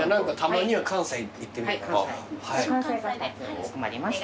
かしこまりました。